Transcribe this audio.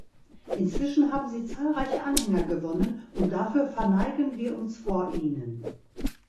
Inzwischen haben Sie zahlreiche Anhänger gewonnen, und dafür verneigen wir uns vor Ihnen.